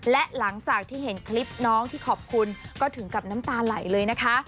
และหลังจากที่เห็นคลิปน้องที่ขอบคุณก็ถึงกับน้ำตาไหลเลยนะคะ